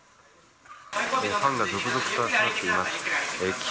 ファンが続々と集まっています。